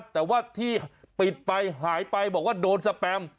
แต่ว่าที่ปิดไปหายไปบอกว่าโดนสแปม